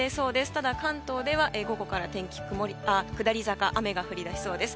ただ、関東では午後から天気下り坂雨が降り出しそうです。